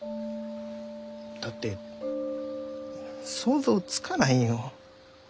だって想像つかないよ。